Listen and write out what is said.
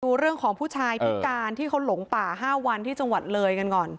ดูเรื่องของผู้ชายพิการที่เขาหลงป่า๕วันที่จังหวัดเลยกันก่อน